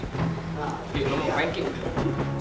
oke lo mau apa yang kayak gitu